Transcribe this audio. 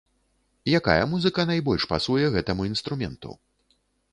Якая музыка найбольш пасуе гэтаму інструменту?